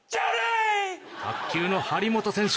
卓球の張本選手。